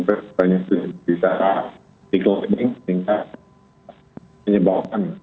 berarti banyak yang sudah bisa di closing sehingga menyebalkan